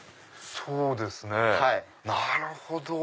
そうですねなるほど。